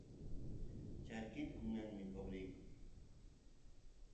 charki kunan mikoq riyku